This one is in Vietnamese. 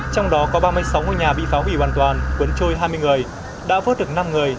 trong đó có ba mươi sáu ngôi nhà bị phá hủy hoàn toàn cuốn trôi hai mươi người đã vớt được năm người